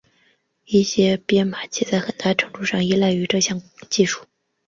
一些编码器在很大程度上依赖于这项技术。